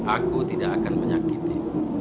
aku tidak akan menyakiti